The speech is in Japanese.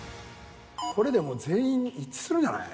これでも全員一致するんじゃない？